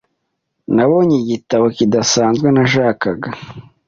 Nabonye igitabo kidasanzwe nashakaga .